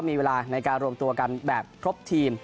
มีเวลาในการรวมตัวกันแบบครบทีม